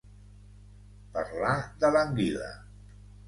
Parlar de l'anguila.